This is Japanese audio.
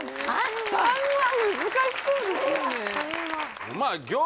３は難しそうですよね